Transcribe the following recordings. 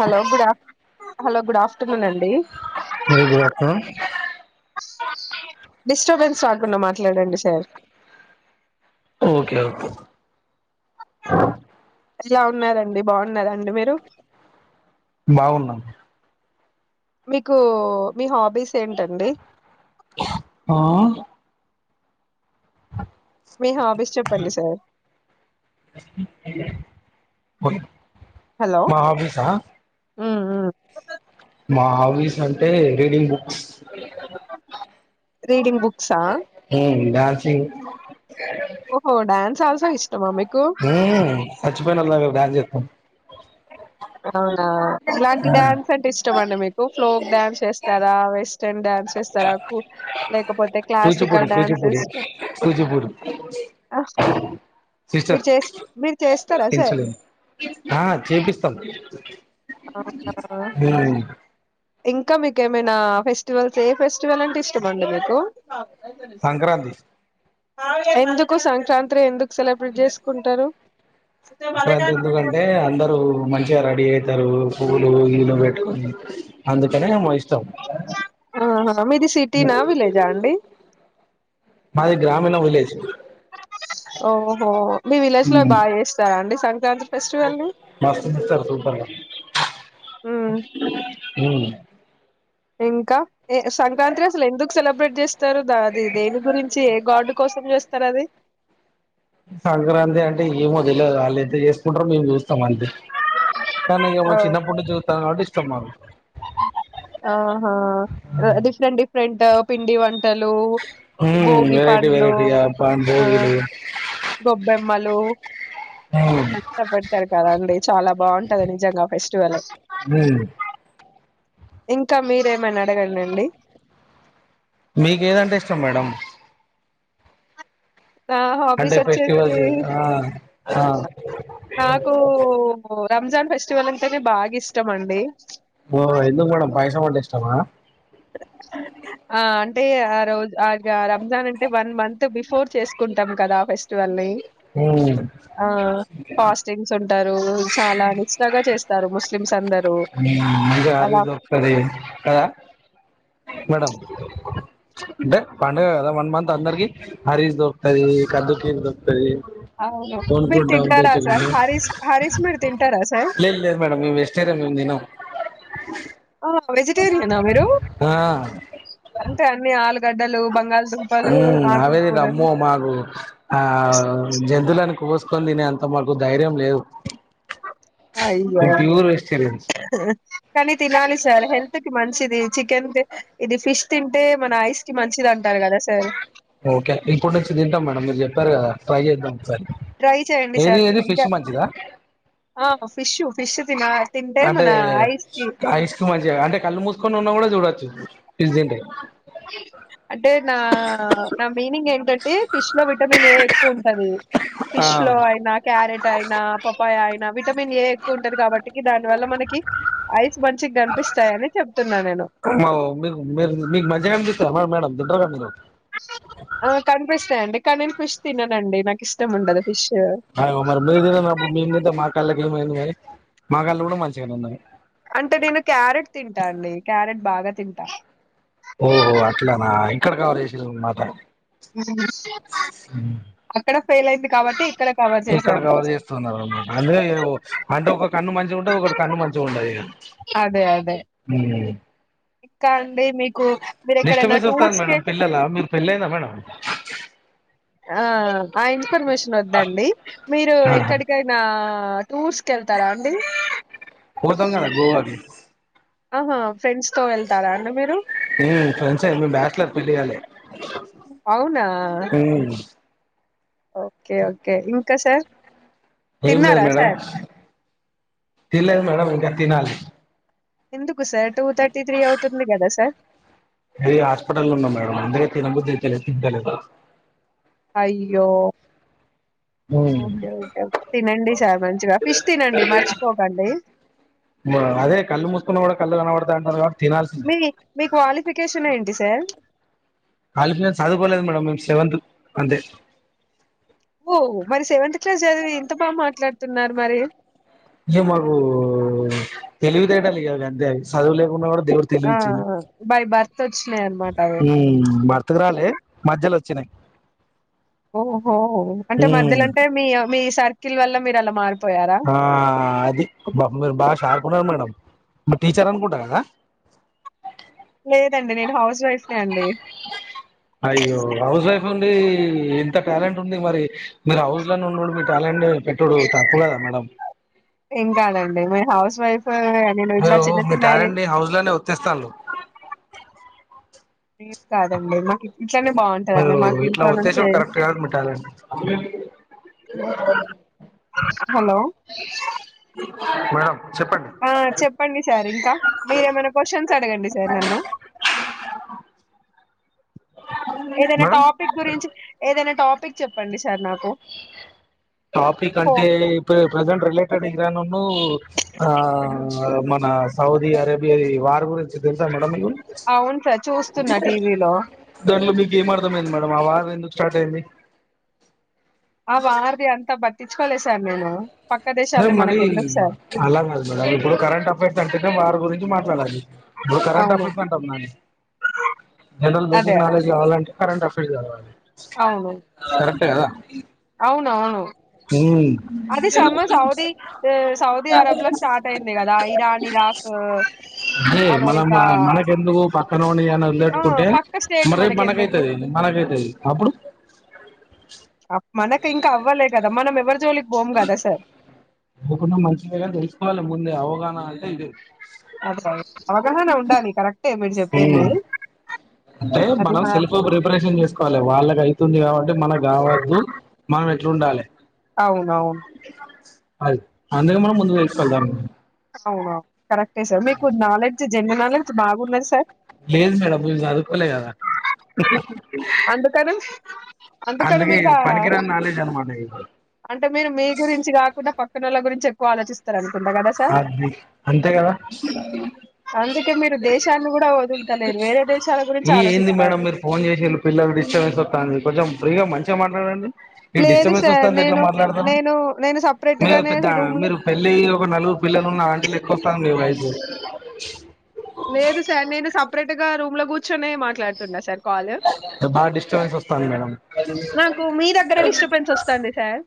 Hello good afternoon hello good afternoon అండి very good afternoon disturbance రాకుండా మాట్లాడండి sir okay okay ఎలా ఉన్నారండి బాగున్నరాండి మీరు బాగున్నాం మీకు మీ హాబీస్ ఏంటండి ఆ మీ హాబీస్ చెప్పండి సర్ పో హలో మ్ మ్ మా హాబీస్ అంటే రీడింగ్ బుక్స్ [unintelligible] రీడింగ్ బుక్స్ ఆ హ డాన్సింగ్ ఓహో డ్యాన్ సాల్సా ఇష్టమా మీక్ ఉమ్ చ్చిపోయినోళ్ల డ్యాన్స్ చెత్తం అవునా ఇలాంటి డ్యాన్స్ అంటే ఇష్టమండి మీకు ఫ్లోక్ డ్యాన్స్ చేస్తారా వేస్ వెస్ట్రన్ డ్యాన్స్ చేస్తరా కు లేక్ కూచిపూడి కూచిపూడి కూచిపూడి మీరు సిస్టర్ చేస్ మీరు చేస్తారా సార్ ఇన్సులిన్ ఆ చేపిస్తాం [inaudible] అవునా హ్మ్మ్ ఇంకా మీక ఏమనా ఫెస్టివల్స్ ఏ ఫెస్టివల్ అంటే ఇష్టమండి మీకు సంక్రాంతి ఎందుకు సంక్రాంతిని ఎందుకు సెలబ్రేట్ చేసుకుంటారు ఇంత ఎందుకంటే అందరు మంచిగా రెడీ అవుతారు పువ్వులు గి ళ్లు పెట్టుకొని అందుకనేమో ఇష్ట ఆహా మీది సిటీ నా విలేజ్ ఆ అండి మాది గ్రామీణ విలేజ్ ఓహో మీ విలేజ్లో బాగా చేస్తారా అండి సంక ద మస్త మస్తారు సూపర్గా ఉమ్ ఉమ్ ఇంకా ఏ సంక్రాంతి అసలు ఎందుకు సెలబ్రేట్ చేస్తారు అది దేవి గురించి ఏ గాడ్ కోసం చేస్తారు అది సంక్రాంతి అంటే ఏమో తెలవదు వాళ్ళుంతతే చేసుకుంటారో మేము చూస్తాం అంతే కానీ మా ఆ, చిన్నప్పుడు చూతాము ఇష్ట ఇష్టం మాకు ఆహా డిఫరెంట్ డిఫరెంట్ పిండి వంటలు హు భోగి వెరైటీ పండ్లు వెరైటీగా పా భోగిలు మలో కష్టపడతారు కదాండి చాలా బాగున్ నిజంగా ఫెస్టివల్ హు ఇంకా మీరేమనా అడగండి అండి మీకు ఏదంటే ఇష్టం మేడం నా అంటే హాబీస్ వచ్చేసి ఫెస్టివల్స్ ఆ నాకు... రంజాన్ ఫెస్టివల్ అంటే బాగా ఇష్టం అండి ఓహు ఎందుకు మేడం పాయసం అంటే ఇష్టం మా ఆ అంటే ఆ రోజు ఆ రంజాన్ అంటే వన్ మంత్ బిఫోర్ చేసుకుంటాం కదా ఆ ఫెస్టివల్ ని ఆ ఫాస్టింగ్స్ ఉంటారు చాలా నిస్ట్రాగా చేస్తారు ముస్లిమ్స్ అందరూ మంచిగా అలా హరీష్ దొరుకుతది కదా మేడం అంటే పండుగ కదా వన్ మంత్ అందరికి హరీష్ దొరుకుతది కద్దు కీర్ దొరుకుతది అవును మీరు కొనుక్కుంటాం తింటారా సార్ తెచ్చుకుంటాం హరీష్ హరీష్ మీరు తింటారా సార్ లేదు అ వెజిటేరియన్ మీరు అంటే అ గడ్డలు బంగాల్ అవేది అమ్మో మాకు ఆ జంతువులలను కోసు చక తని అంత మానకు ధైర్యం లేదు అయ్యా మేము ప్యూర్ వెజిటేరియన్స్ కానీ తినాలి సార్ హెల్త్ కి మంచి ఇది చికెన్ క ఇది ఫిష్ తింటే మన ఐస్ కి మంచిది అంటారు కదా సార్ ఓకే ఇప్పుడు నుచ్చి తింటాం మేడడం మీరు చెప్పారు కదా ట్రై చేద్దాం ఒకసారి ట్రై చేయడి ఏది సారు ఏది మీగా ఫిష్ మంచిదా ఫిష్ు ఫిష్ తిన తింటే అంటే మన ఐస్ కి ఐస్ కు మధ్య అంటే కళ్ళు మూసుకొని ఉన్నా కూడా చూడొచ్చు ఫజే అంటే నా నా మీనింగ్ ఏంటంటే ఫిష్ లో విటమిన్ ఏ ఎక్కువ ఉంటు ది ఆ ఫిష్ లో అయినా క్యారెట్ అయినా పప్పాయ అయి విటమిన్ ఏ ఎక్కువ ఉంటది కాబట్టికి దాని వల్ల మనకి ఐస్ మంచిగా కనిపిస్తాయని చెప్తున్నా నేను ఓ మీ మీ మీ మా ఏ ఎ మేడం దిండ ఆ కనిపిస్తాయంండి కానీని పిష్ి తిిననండి నాకు ఇష్టం ఉండదు ఫిష్. అయ అ మరి మ మీదిప్పుడు మీ మా క మకళ్ళి కూడా మంచిగానే ఉన్నాయి అంటే నేను క్యారెట్ తింటా అండి క్యారెట్ బాగా తింటా ఓహో అట్లానా ఇక్కడ కావరు చేసన్నమాట అక్కడ ఫెయిల్ అయింది కాబట్టి ఇక్కడ కవర్ ఇక్కడ చేశాను. కవర్ చేస్తున్నారు అనమాట అద అంటే ఒక కన్ను మంచిగా ఉంటది ఒకటి కన్ను మంచిగా ఉండది అదే అదే. హమ్ ఇంకా అండి మీకు మీరు ఎక్కడైనా డిస్టర్బెన్స్ వస్తాంది టూర్స్ కి మేడం పిల్లలా మీరు పెళ్ళయిందా మేడం ఆ ఆ ఇన్ఫర్మేషన్ వద్దండి మీరు ఆహా ఎక్కడికైనా టూర్స్కీ వెళ్తారా అండి పోతంగాద గోవాకి ఆహా ఫ్రెండ్స్ తో వెళ్తారా అండి మీరు వెళ్ళాలే [unintelligible] అవునా మ్మ్ ఓకే ఓకే ఇంకా సార్ ఏం లేదు తిన్నారా మేడమ్ సార్? తినలేదు మేడమ్ ఇంకా తినాలి ఎందుకు సార్ టూ థర్టీ త్రీ అవుతుంది కదా సార్ అంటే హాస్పిటల్ లో ఉన్నా మేడం అందుకే తినబుద్ధియ్యితలేదు తింటలేదు అయ్యో మ్మ్ ఓకేఓకే తినండి సార్ మంచిగా ఫిష్ తినండి మర్చిపోకండి అదే కళ్ళు మూసుకున్నా కూడా కళ్ళు కనబడతాయి అంటారు కాబట్టి తినాల్సిందే మీ మీ క్వాలిఫికేషన్ ఏంటి సన్ [unintelligible] కాలిఫన్స్ చదుకోలేదు మేడమ్ నేను సెవెంత్ అంతే ఓహ్ మరి సెవెంత్ క్లాస్ చదివి ఇంత బాగా మాట్లాడుతున్నారు మరి ఇ మాకు తెలివితేటాల ఇయాలి అంతే చదువు లేకున్నా కూడా దేవుడు ఆ తెలివిచ్చడు బై బర్త్ వచ్చినాయి అనమాట అవి హమ్ భర్తకురాలే మధ్యలో వ చెన్నై ఓహోహో అంటే మధ్యలో అంటే మీ మీ సార్కి ల్ వల్ల మీరు అలా మారు ఆ అది మీరు బాషా ారుకున్నారు [unintelligible] మేడం మీరు టీచర్ అనుకుంటా కదా లేదండి నేను హౌస్ వైఫ్ నే అండి అయ్యో హౌస్ వైఫ్ ఉండి ఇంత టాలెంట్ ఉంది మరి మీరు హౌస్ లోనే ఉండుడు మీ టాలెంట్ పెట్టుడు తప్పు కదా మేడం ఏంకాదండి మే హౌస్ వైఫ్ నేను ఇట్లా మీరు చిన్న మీ చిన్న టాలెంట్ ని హౌజ లోనే వత్తిస్తాను మీ కాదండి మా ఇట్లా ఉతేేశ కరెక్ట్ కాదు మటాల హలో మేడంమ్ ఆ చెప్పండి సార్ ఇంకా మీరేమైనా క్వశ్చన్స్ అడగండి సార్ నన్ను ఏదైనా మేడం టాపిక్ గురించి ఏదైనా టాపిక్ టాపిక్ చెప్పండి సార్ నాకు టాపిక్ ఓ అంటే ప్రెజెంట్ రిలేటెడ్ ఇరాన్ ఆ మన సౌదీ అరేబి అ వారు గురు తెల్సా మేడమ్ మీకు అవును సార్ చూస్తున్నా టీవీలో దాంట్లో మీకు ఏమర్థం ఏంది మేడం ఆ వారు ఎందుకు స్టార్ట్ అయింది ఆ వార్ ది అంత బట్ తెచ్చుకోలేదు సార్ నేను పక్క అరే దేశాలది మరి మనకి ఎందుకు సార్ అలా కాదు మేడం ఇప్పుడు కరెంట్ అఫైర్స్ అంటేనే వారి గురించి మాట్లాడాలి ఇప్పుడు కరెంట్ అవును అఫైర్స్ అంటాండి జనరల్ అదే బేసిక్ నాలెడ్జ్ కావాలంటే కరెట్ అఫైర్స్ అవాలి అవును కరెక్ కదా అవునవును హు అది సమ్మర్ సౌదీ ఆ, సౌదీ అరబ్ లో స్టార్ట్ అయింది కదా ఇరాన్ ఇరాక్ హే మనం అమెరికా మనకెందుకు పక్కనోని అని ఆ వదిలేట్టుకుంటే పక్క స్టేట్ మరి రేపు మనకెందుకు మనకైతది మనకైతది అప్పుడు మనకి ఇంకా అవ్వలే కదా మనం ఎవ్వర్ జోలికి పోం కదా సార్ పోకున్న మంచిదే గాని తెలుసుకోవాలే ముందే అవగాహన అయితే ఇదే అదే అవగాహన ఉండాలి కరెక్టే మీరు చెప్పింది అంటే అది మనం మా సెల్ఫ్ ప్రిపరేషన్ చేసుకోవాలే వాళ్ళకి అయితుంది కాబట్టే మనకు కావద్దు మ ఎట్లుండాలే అవునవును అది అందుకే మనం ముందు తెలుసుకోవాలి దాని అవున కరెక్టే సార్ మీకు నాలెడ్జ్ జనరల్ నాలెడ్జ్ బాగున్నది సార్ లేదు మేడం నేను చదువుకోలే కాద అందుకని అందుకని అందుకే మీకా పనికిరాని నాలెడ్జ్ అనమాట ఇది అంటే మీరు మీ గురించి కాకుండా పక్క పక్కనోళ్ళ గురించి ఎక్కువ ఆలోచిస్తారని అది అంతే కదా అందుకే దేశాన్ని కూడా వదులుతాలేరు వేరే దేశాల గురించి ఈ ఏంది మేడం ఆలోచిస్తారు మీరు ఫోన్ చేసి వీళ్ళు పిల్లలు డిస్టబెన్స్ వస్తాంది కొంచం ఫ్రీగా మంచిగా మాట్లాడండి ఈ లేదు డిస్టబెన్స్ సార్ వస్తాంది ఎట్లా నేను మాట్లాడతారు నేను నేను సపరేట్ మీరు గానే పెద్ద రూమ్ లో మీరు పెళ్లయి ఒక నలుగురు పిల్లలు ఉన్న ఆంటీ లేక్క వస్తుంది మీ వాయిస్ [inaudible] లేదు సార్ నేను సప్ పరేట్ గా రూమ్ లో కూర్చొనే మాట్లాడుతున్నా సార్ కాల్ బాగా డిస్టబెన్స్ వస్తాంది మేడం నాకు మీ దగ్గర డిస్టర్బెన్స్ వస్తుంది సార్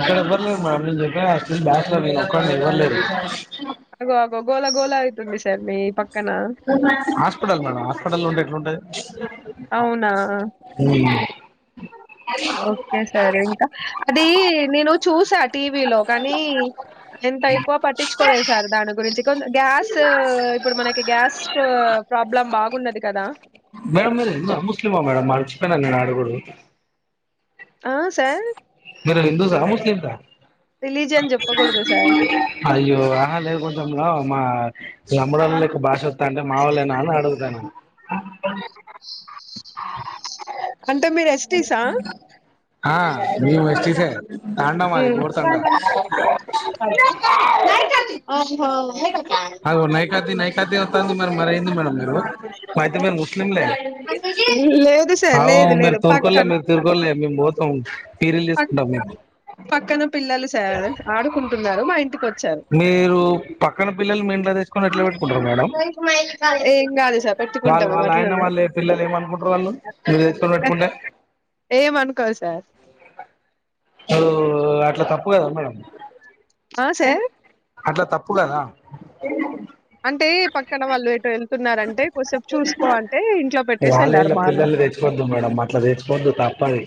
ఇక్కడ ఎవరు లేరూ మేడమ్ నేను చెప్ప కదా స్టిల్ బ్యా నేను ఒకడినే ఎవర్ లేరు అగో గోలా గోల అయితుంది సా మీ పక్క హాస్పిటల్ మేడం హాస్పిటల్ల ఉంటే ఎట్లుంటాది అవునా ఓకే సార్ ఇంకా అది నేను చూసా టీవీలో కానీ ఎంత ఎక్కువ పట్టించుకోలేదు సార్ దాని గురించి కొ గ్యాస్ ఇప్పుడు మనకి గ్యాస్ స్టో ప్రాబ్లం బాగున్నది కదా మేడమ్ మీరు హిందువా ముస్లిమా మేడం మర్చిపో అడుగుడు ఆ సార్ మీరు హిందూస్ ఆ ముస్లిమ్స్ ఆ రిలీజియన్ చెప్పకూడదు సార్ అయ్యో ఆహలే కొంచెం రా మా మడల భాష [unintelligible] తండే మావలే న అడుగుతున్న [inaudible] [inaudible] ఆ అంటే మీరు ఎస్టీ సా ఆ మేము ఎస్టీసే తాండా మాది గోడ్ తాండా ఆ అ నైకాతి నైకాతి అ అ మ మరెం ది మేడమ మీరు మ నిమ్లే లేదు సార్ అవు లేదు మీరు లేదు తుర్కొలె పక్కన మీరూ తూర్కొలే అవును ప పక్కన పిల్లలు సార్ ఆడుకుంటున్నారు మా [inaudible] మీరు పక్కన పిల్లలు మీ ఇంలో తెచ్చుకొని ఎట్లా పెట్టుకుంటారు మేడం ఏం కాదు సార్ పెట్టుకుంటాం వాళ్ళు మేము వాళ్ళ ఆయన అట్లనే వాళ్ళు పిల్లలు ఏమనుకుంటారు వాళ్ళు మీరు తెసుకొని పెట్టుకుంటే ఏమనుకోదు సార్ అ అట్లా తప్పు కదా మేడ ఆ సార్ అట్లా తప్పు కదా అంటే పక్కన వాళ్ళు ఎటువ న్నారంటే కొద్దిసేపు చూసుకో అంటే ఇంట్లో పెట్టేసి వాళ్ళ వెళ్ళారు వీళ్ళ మాళ పిల్లల్ని తెచ్చుకోవద్దు మేడం అట్లా తెచ్చుకోవద్దు తప్పది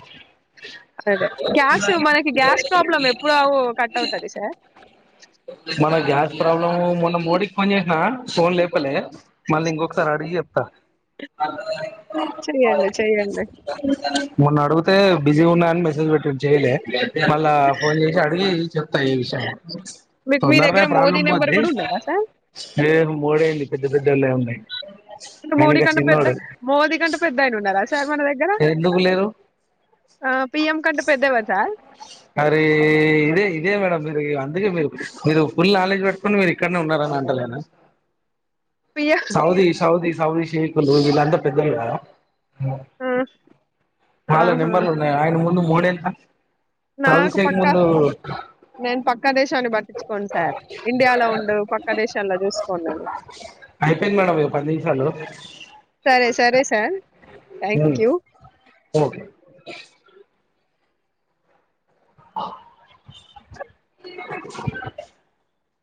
అదే గ్యాస్ మనకి గ్యాస్ ప్రాబ్లం ఎప్పుడు కట్ అవుతుంది సార్ మన గ్యాస్ ప్రాబ్లమ్ మన మోడీకి ఫోన్ చేసిన ఫోన్ లేపలే మళింగ ఒక స అ ఆడిీ చె్యడి చె్యడి మొన్న అడిగితే బిజీ ఉన్నాయని మెసేజ్ పెట్టి చేయలే హలా ఫోన్ చేసి అడిగి ా ఈ విషయంలో మీకు మీ తొందరనే దగ్గర మోదీ ప్రాబ్లమ్ నెంబర్ పోద్ది కూడా ఉన్నదా సార్ మోడే వి్యాల ఉన్నాయి అంటే ఆయన మోడీ ఇంకా కంటే పెద్ద చిన్నోడు మోదీ కంటే పెద్దయిన ఉన్నారా సార్ మన దగ్గర ఎందుకు లేరు ఆ పిఎం కంటే పెద్దవా సార్ మరి ఇదే ఇదే మేడం మీరు అందుకే మీరు మీరు ఫుల్ నాలెడ్జ్ పెట్టుకుని మీరు ఇక్కడనే ఉన్నారని అంటలేనా పిఎం సౌదీ సౌదీ సౌది షేక్లు వీళ్ళంతా పెద్దయ్య ర బాల ఆహా నెంబర్లు ఉన్నాయి ఆయన ముందు మోడ నాకు పక్క నేను పక్క దేశాన్ని పట్టించుకోను సార్ ఇండియాలో ఉండు పక్క దేశాల్లో చూసుకోన్నాను అయిపోయింది మేడమ్ ఇంకా పది నిమిషాలు సరే సరే సార్ థ్యాంక్ యూ ఓకే